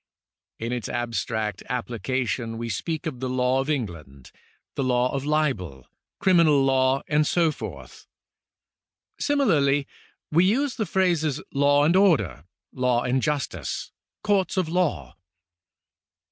In its abstract application we speak of the law of England, the law of libel, criminal law, and so forth. Simi larly we use the phrases law and order, law and justice, courts of law.